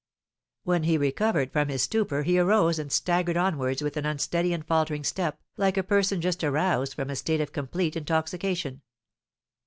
When he recovered from his stupor he arose and staggered onwards with an unsteady and faltering step, like a person just aroused from a state of complete intoxication.